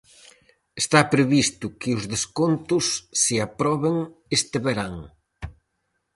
Está previsto que os descontos se aproben este verán.